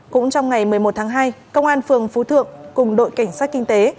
cũng trong ngày một mươi một tháng hai công an phường phú thượng cùng đội cảnh sát kinh tế